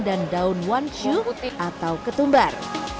dan daun wanshu atau ketumbar